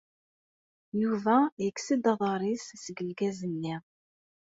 Yuba yekkes-d aḍar-is seg lgaz-nni.